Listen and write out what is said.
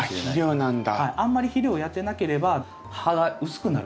あんまり肥料をやってなければ葉が薄くなる。